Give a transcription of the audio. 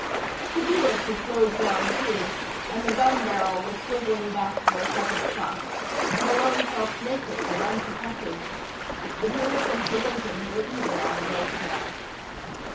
The Buick had slowed down, too, and the gun barrel was swiveling back for a second shot. Malone felt naked and unprotected. The Buick and the Lincoln were even on the road now.